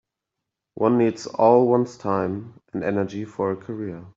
One needs all one's time and energy for a career.